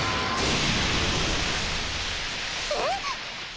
えっ！？